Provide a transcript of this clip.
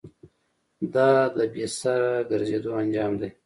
دا د بې سره گرځېدو انجام دی.